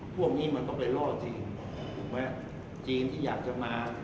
พวกนี้มันต้องไปรอดจริงถูกไหมจริงที่อยากจะมา